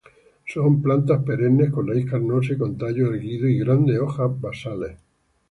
Son plantas perennes con raíz carnosa y con tallos erguidos y grandes hojas basales.